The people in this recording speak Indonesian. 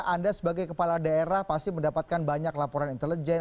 anda sebagai kepala daerah pasti mendapatkan banyak laporan intelijen